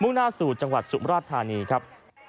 หน้าสู่จังหวัดสุมราชธานีครับ